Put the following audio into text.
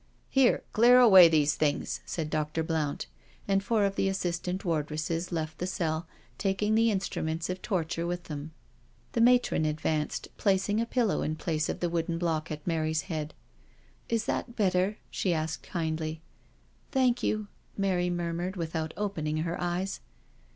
" Here, clear away these things," said Dr. Blount, and four of the assistant wardresses left the cell, taking the instruments of torture with them. The matron advanced, placing a pillow in place of the wooden block at Mary's head. " Is that better?" she asked kindly. " Thank you," Mary murmured, without opening her eyes.